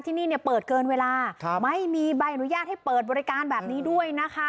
ที่นี่เนี่ยเปิดเกินเวลาไม่มีใบอนุญาตให้เปิดบริการแบบนี้ด้วยนะคะ